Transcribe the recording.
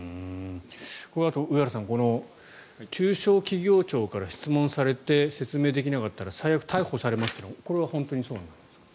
これだと上原さん中小企業庁から質問されて説明できなかったら最悪、逮捕されますというのはこれは本当にそうなんですか？